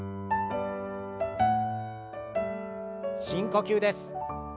深呼吸です。